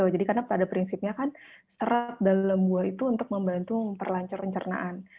jadi karena pada prinsipnya kan serat dalam buah itu untuk membantu memperlancur pencernaan